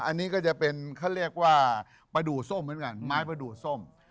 อันนี้ก็จะเป็นเขาเรียกว่าประดูกส้มเหมือนกันไม้ประดูกส้ม